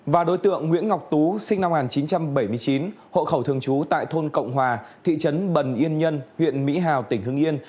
và đối tượng nguyễn ngọc tú sinh năm một nghìn chín trăm bảy mươi chín hộ khẩu thường trú tại thôn cộng hòa thị trấn bần yên nhân huyện mỹ hào tỉnh hưng yên